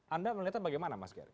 anda melihatnya bagaimana mas kery